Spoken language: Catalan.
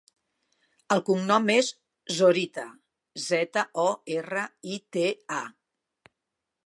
El cognom és Zorita: zeta, o, erra, i, te, a.